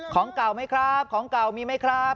ของเก่าไหมครับของเก่ามีไหมครับ